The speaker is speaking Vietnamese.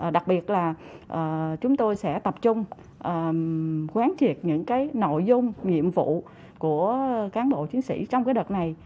đặc biệt là chúng tôi sẽ tập trung quán triệt những nội dung nhiệm vụ của cán bộ chiến sĩ trong đợt này